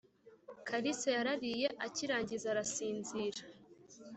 kalisa yarariye akirangiza arasinzira